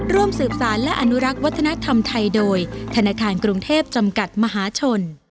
ร่วมสืบสารและอนุรักษ์วัฒนธรรมไทยโดยธนาคารกรุงเทพจำกัดมหาชน